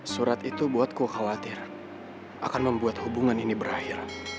surat itu buat kukhawatiran akan membuat hubungan ini berakhir